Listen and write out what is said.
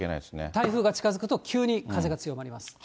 台風が近づくと、急に風が強まります。